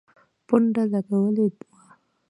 پونډه لګولي وه.